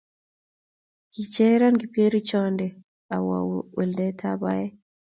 Kicheran kipkerichonde awo weldab baet